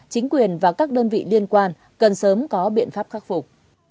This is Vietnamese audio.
huyện và các đơn vị liên quan cần sớm có biện pháp khắc phục